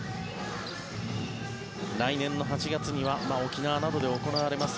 来年の８月には沖縄などで行われます